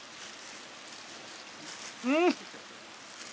うん！